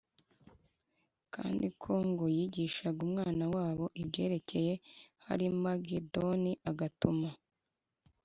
kandi ko ngo yigishaga umwana wabo ibyerekeye Harimagedoni agatuma